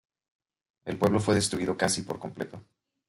El pueblo fue destruido casi por completo.